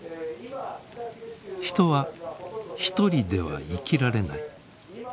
人は一人では生きられない。